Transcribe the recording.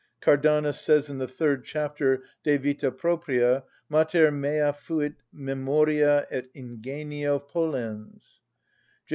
Cardanus says in the third chapter, "De vita propria:" "Mater mea fuit memoria et ingenio pollens." J.